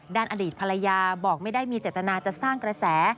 อดีตภรรยาบอกไม่ได้มีเจตนาจะสร้างกระแส